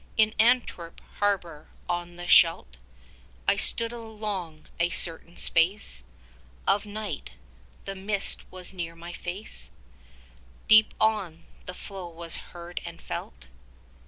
In Antwerp harbour on the Scheldt I stood along, a certain space Of night. The mist was near my face: 15 Deep on, the flow was heard and felt.